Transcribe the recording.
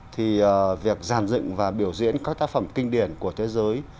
thì việc giàn dựng và biểu diễn các tác phẩm kinh điển của thế giới